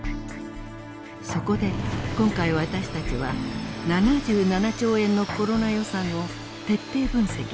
そこで今回私たちは７７兆円のコロナ予算を徹底分析しました。